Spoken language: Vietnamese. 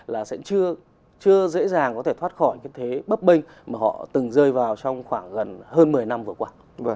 là sẽ chưa dễ dàng có thể thoát khỏi cái thế bấp bênh mà họ từng rơi vào trong khoảng gần hơn một mươi năm vừa qua